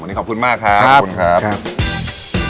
วันนี้ขอบคุณมากครับขอบคุณครับครับ